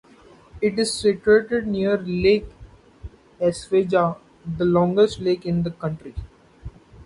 It is situated near Lake Asveja, the longest lake in the country.